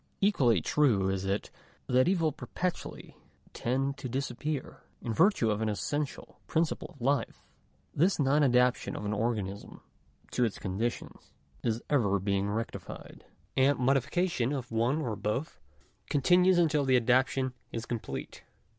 §2. Equally true is it that evil perpetually tends to disappear. In virtue of an essential principle of life, this non adaptation of Digitized by VjOOQIC 60 THE EVANESCENCE OF EVIL. an organism to its conditions is ever being rectified ; and modi fication of one or both, continues until the adaptation is com plete.